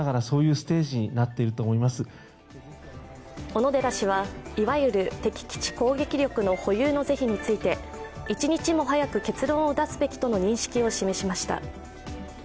小野寺氏はいわゆる敵基地攻撃力の保有の是非について一日も早く結論を出すべきとの認識を示しました。